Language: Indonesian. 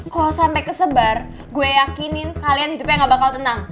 kalau sampai kesebar gue yakinin kalian hidupnya gak bakal tenang